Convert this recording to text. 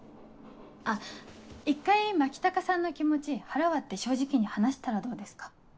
あっ一回牧高さんの気持ち腹割って正直に話したらどうですか？